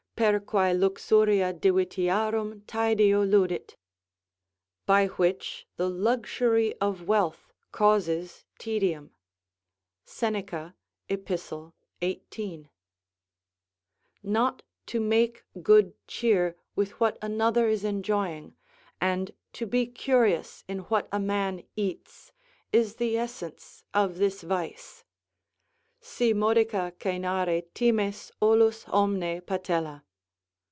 "Per qux luxuria divitiarum taedio ludit." ["By which the luxury of wealth causes tedium." Seneca, Ep., 18.] Not to make good cheer with what another is enjoying, and to be curious in what a man eats, is the essence of this vice: "Si modica coenare times olus omne patella."